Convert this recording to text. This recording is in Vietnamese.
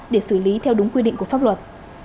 để xử lý theo đúng quy định của pháp luật